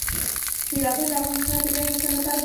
سیلابونه د افغانستان د چاپیریال ساتنې لپاره مهم دي.